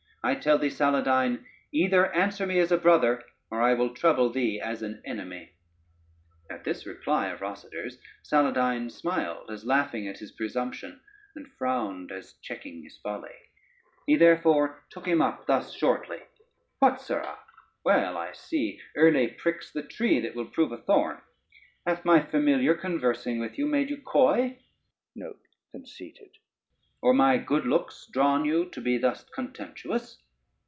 I tell thee, Saladyne, either answer me as a brother, or I will trouble thee as an enemy." [Footnote 1: food.] [Footnote 2: pack.] At this reply of Rosader's Saladyne smiled as laughing at his presumption, and frowned as checking his folly: he therefore took him up thus shortly: "What, sirrah! well I see early pricks the tree that will prove a thorn: hath my familiar conversing with you made you coy, or my good looks drawn you to be thus contemptuous?